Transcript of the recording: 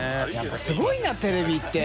すごいなテレビって。